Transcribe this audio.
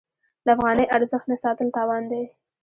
د افغانۍ ارزښت نه ساتل تاوان دی.